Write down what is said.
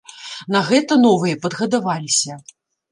На гэта новыя падгадаваліся.